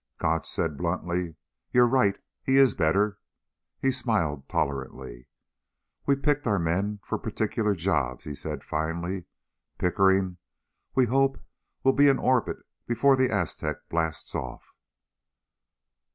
Gotch said bluntly: "You're right. He is better." He smiled tolerantly. "We picked our men for particular jobs," he said finally. "Pickering ... we hope ... will be in orbit before the Aztec blasts off."